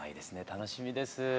楽しみです。